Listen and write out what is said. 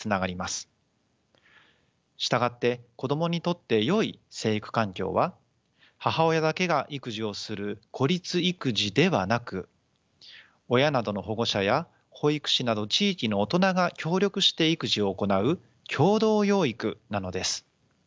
従って子どもにとってよい成育環境は母親だけが育児をする孤立育児ではなく親などの保護者や保育士など地域の大人が協力して育児を行う共同養育なのです。